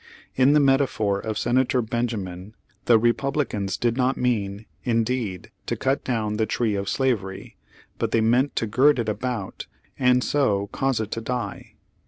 In the metaphor of Senator Ben jamin, the Republicans did not mean, indeed, to cut down the tree of slavery, but they meant to gird it about, and so cause it to die.